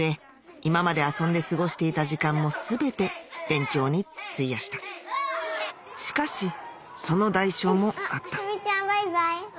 今まで遊んで過ごしていた時間も全て勉強に費やしたしかしその代償もあった麻美ちゃんバイバイ。